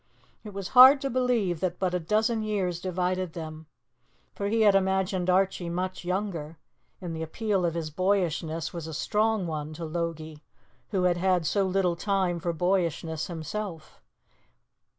It was hard to believe that but a dozen years divided them, for he had imagined Archie much younger, and the appeal of his boyishness was a strong one to Logie, who had had so little time for boyishness himself.